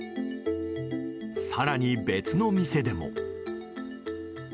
更に、別の店でも。